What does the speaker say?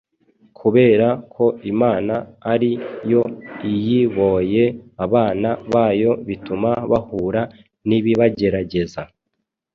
kubera ko imana ari yo iyiboye abana bayo bituma bahura n’ibibagerageza.